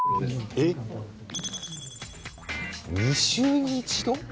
２週に一度？